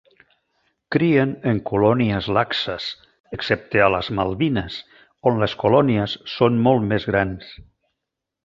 Crien en colònies laxes, excepte a les Malvines, on les colònies són molt més grans.